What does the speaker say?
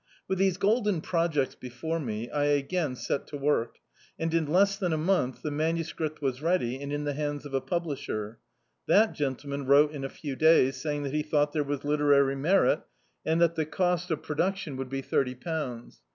With these golden projects before me, I again set to work, and, in less than a month, the MS. was ready and in the hands of a publisher. That gentle* man wrote in a few days saying that he thought there was literary merit, and that the cost of pro [J75] D,i.,.db, Google The Autobiography of a Super Tramp ductitm would be thirty pounds.